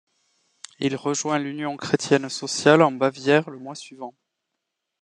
Il rejoint l'Union chrétienne-sociale en Bavière le mois suivant.